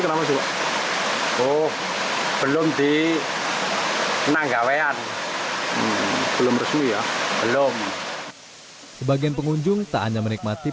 kenapa sih pak belum di nanggawean belum resmi ya belum sebagian pengunjung tak hanya menikmati